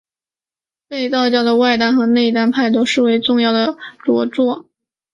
被道教的外丹和内丹派都视为重要的着作。